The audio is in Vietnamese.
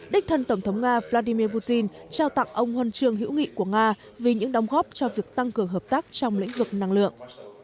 đích thân tổng thống nga vladimir putin trao tặng ông huân trường hữu nghị của nga vì những đóng góp cho việc tăng cường hợp tác trong lĩnh vực năng lượng